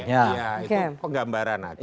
iya itu penggambaran aja